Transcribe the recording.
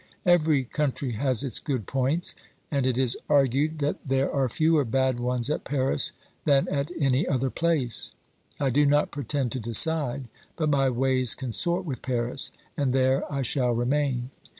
Every country has its good points, and it is argued that there OBERMANN 3^5 are fewer bad ones at Paris than at any other place. I do not pretend to decide, but my ways consort with Paris, and there I shall remain.